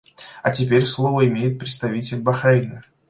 А теперь слово имеет представитель Бахрейна.